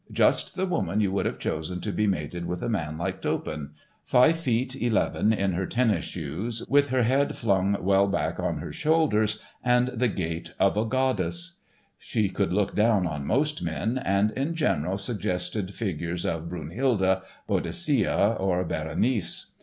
Just the woman you would have chosen to be mated with a man like Toppan, five feet, eleven in her tennis shoes, with her head flung well back on her shoulders, and the gait of a goddess; she could look down on most men and in general suggested figures of Brunehilde, Boadicea, or Berenice.